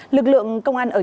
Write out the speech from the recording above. lực lượng công an ở nhiều nơi